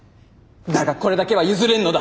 だがこれだけは譲れぬのだ。